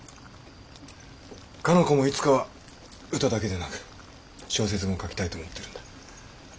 かの子もいつかは歌だけでなく小説も書きたいと思ってるんだ。